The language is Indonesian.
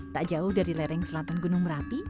tak jauh dari lereng selatan gunung merapi